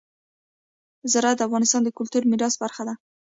زراعت د افغانستان د کلتوري میراث برخه ده.